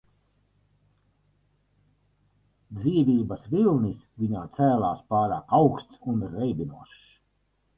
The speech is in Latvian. Dzīvības vilnis viņā cēlās pārāk augsts un reibinošs.